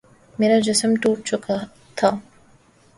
میرا جسم ٹوٹ چکا تھا